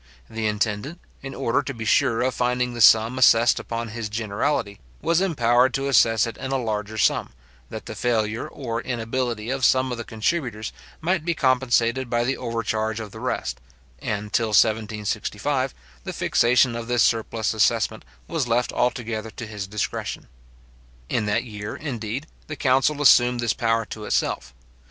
The intendant, in order to be sure of finding the sum assessed upon his generality, was empowered to assess it in a larger sum, that the failure or inability of some of the contributors might be compensated by the overcharge of the rest; and till 1765, the fixation of this surplus assessment was left altogether to his discretion. In that year, indeed, the council assumed this power to itself.